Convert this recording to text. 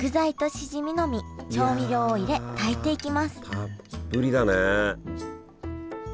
たっぷりだねえ。